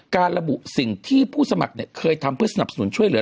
ระบุสิ่งที่ผู้สมัครเคยทำเพื่อสนับสนุนช่วยเหลือ